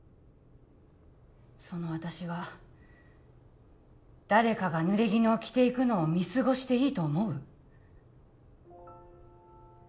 その私が誰かがぬれぎぬを着ていくのを見過ごしていいと思う？